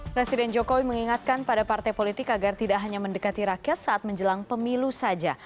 presiden jokowi mengingatkan pada partai politik agar tidak hanya mendekati rakyat saat menjelang pemilu saja